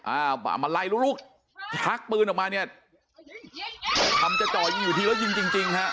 อ้าวมาไรลุกถักปืนออกมาเนี่ยยิงจริงครับ